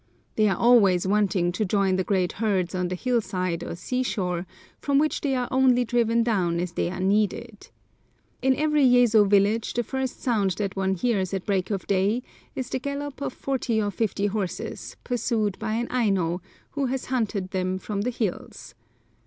They are always wanting to join the great herds on the hillside or sea shore, from which they are only driven down as they are needed. In every Yezo village the first sound that one hears at break of day is the gallop of forty or fifty horses, pursued by an Aino, who has hunted them from the hills.